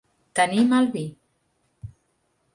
Tenir mal vi.